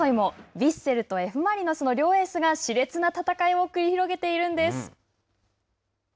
ヴィッセルとＦ・マリノスの両エースがしれつな戦いを繰り広げているんです。